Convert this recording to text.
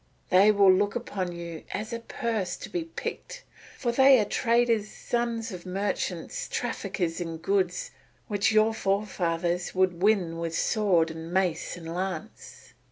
They will look upon you as a purse to be picked, for they are traders, sons of merchants, traffickers in goods which your forefathers would win with sword and mace and lance.